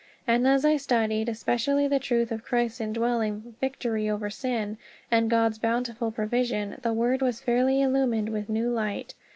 And as I studied especially the truth of Christ's indwelling, victory over sin, and God's bountiful provision, the Word was fairly illumined with new light.